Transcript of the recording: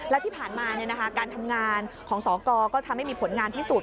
และที่ผ่านมาการทำงานของสกก็ทำให้มีผลงานพิสูจน